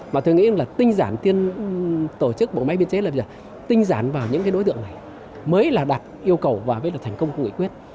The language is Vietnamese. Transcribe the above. mà tôi nghĩ là tinh giản tiên tổ chức bộ máy biên chế là tinh giản vào những đối tượng này mới là đặt yêu cầu và thành công của nghị quyết